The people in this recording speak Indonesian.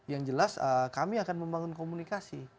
yang jelas kami akan membangun komunikasi